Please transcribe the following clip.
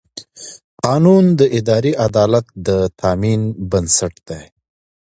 قانون د اداري عدالت د تامین بنسټ دی.